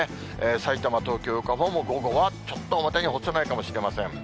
さいたま、東京、横浜も午後はちょっと表には干せないかもしれません。